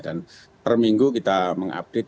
dan perminggu kita mengupdate